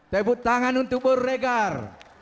tepuk tangan untuk bororegar